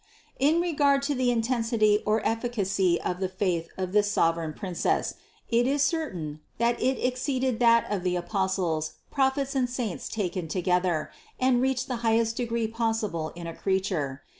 498. In regard to the intensity or efficacy of the faith of this sovereign Princess, it is certain, that it exceeded that of the Apostles, Prophets and Saints taken together and reached the highest degree possible in a creature.